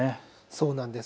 そうなんです。